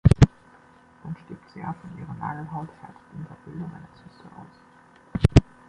Dann stirbt sie ab und ihre Nagelhaut härtet unter Bildung einer Zyste aus.